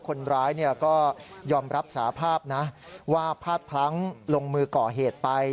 คนร้ายก็ยอมรับสาภาพนะว่าพลาดพลั้งลงมือก่อเหตุไป